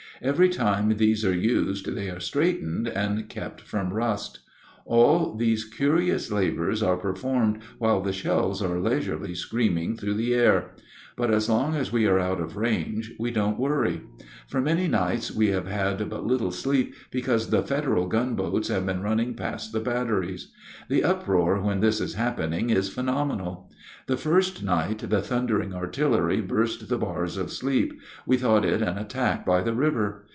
Every time these are used they are straightened and kept from rust. All these curious labors are performed while the shells are leisurely screaming through the air; but as long as we are out of range we don't worry. For many nights we have had but little sleep, because the Federal gunboats have been running past the batteries. The uproar when this is happening is phenomenal. The first night the thundering artillery burst the bars of sleep, we thought it an attack by the river.